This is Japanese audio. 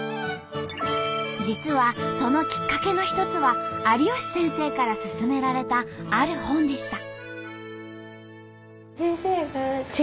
実はそのきっかけの一つは有吉先生からすすめられたある本でした。